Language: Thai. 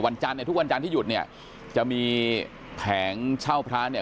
จันทร์เนี่ยทุกวันจันทร์ที่หยุดเนี่ยจะมีแผงเช่าพระเนี่ย